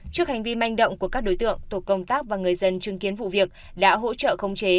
trước hành vi manh động của các đối tượng tổ công tác và người dân chứng kiến vụ việc đã hỗ trợ không chế